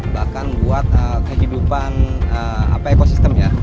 bahkan buat kehidupan ekosistem ya